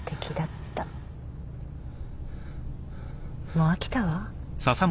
もう飽きたわ。